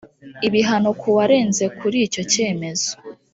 ibihano k uwarenze kuri icyo cyemezo